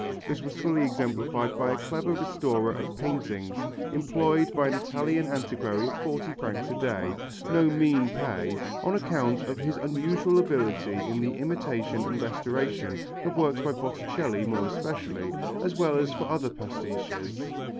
This was fully exemplified by a clever restorer of paintings, employed by an Italian antiquary at forty francs a day no mean pay on account of his unusual ability in the imitation and restoration of works by Botticelli more especially, as well as for other pastiches.